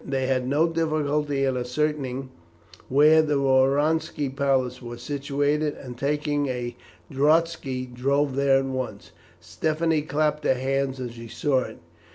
They had no difficulty in ascertaining where the Woronski palace was situated, and, taking a droski, drove there at once. Stephanie clapped her hands as she saw it.